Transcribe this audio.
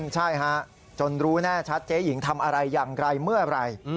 ใช่ฮะจนรู้แน่ชัดเจ๊หญิงทำอะไรอย่างไรเมื่อไหร่